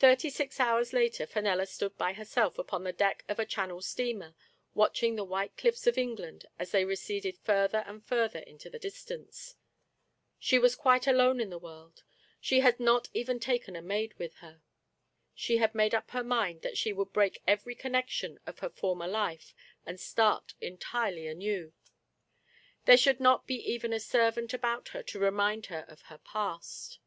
Thirty six hours later Fenella stood by herself upon the deck of a Channel steamer, watching the white cliffs of England as they receded further and further into the distance. She was quite alone in the world — she had not even taken a maid with her. She had made up her mind that she would break every connection of her former life, and start entirely anew. There should not be even a servant about her to remind her of her past.